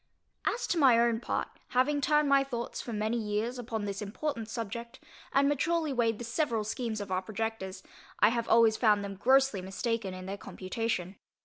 As to my own part, having turned my thoughts for many years upon this important subject, and maturely weighed the several schemes of our projectors, I have always found them grossly mistaken in their computation.